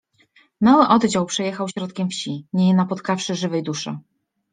Mały oddział przejechał środkiem wsi, nie napotkawszy żywej duszy.